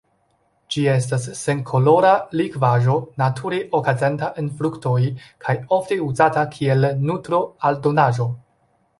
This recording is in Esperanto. Ĝi estas senkolora likvaĵo nature okazanta en fruktoj kaj ofte uzata kiel nutro-aldonaĵo.